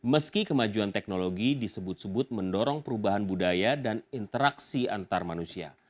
meski kemajuan teknologi disebut sebut mendorong perubahan budaya dan interaksi antar manusia